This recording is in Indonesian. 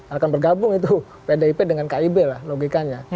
akan bergabung itu pdip dengan kib lah logikanya